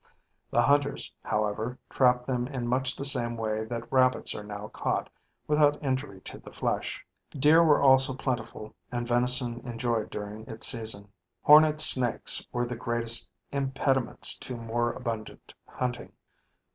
The hunters, however, trapped them in much the same way that rabbits are now caught, without injury to the flesh [TR: 'making the meat more delicious' marked out]. Deer were also plentiful and venison enjoyed during its season. Horned snakes were the greatest impediments to more abundant hunting.